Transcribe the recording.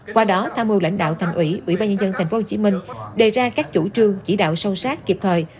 qua đó tham mưu lãnh đạo thành ủy ủy ban nhân dân tp hcm đề ra các chủ trương chỉ đạo sâu sát kịp thời